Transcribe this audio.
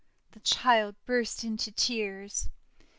The child burst into tears.